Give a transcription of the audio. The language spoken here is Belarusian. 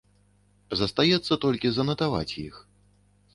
Застаецца толькі занатаваць іх.